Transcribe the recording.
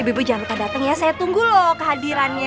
ibu ibu jangan kita datang ya saya tunggu loh kehadirannya